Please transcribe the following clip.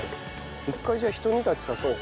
一回じゃあひと煮立ちさせよう。